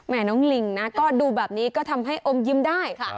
น้องลิงนะก็ดูแบบนี้ก็ทำให้อมยิ้มได้ค่ะ